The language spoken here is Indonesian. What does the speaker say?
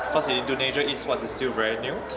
karena di indonesia esports masih sangat baru